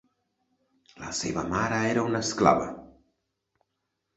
La seva mare era una esclava.